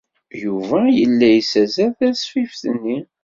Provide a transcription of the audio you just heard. Yuba yella yessazzal tasfift-nni.